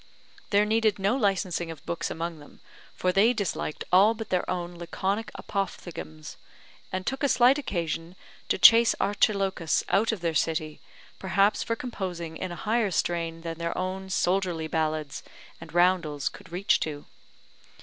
There needed no licensing of books among them, for they disliked all but their own laconic apophthegms, and took a slight occasion to chase Archilochus out of their city, perhaps for composing in a higher strain than their own soldierly ballads and roundels could reach to.